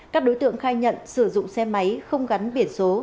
các đối tượng khai nhận sử dụng xe máy không gắn biển số